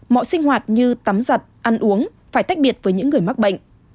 mọi sinh hoạt như tắm giặt ăn uống phải tách biệt với những người mắc bệnh